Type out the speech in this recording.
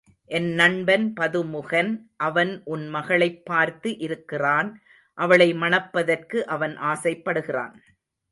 என் நண்பன் பதுமுகன் அவன் உன் மகளைப் பார்த்து இருக்கிறான் அவளை மணப்பதற்கு அவன் ஆசைப்படுகிறான்.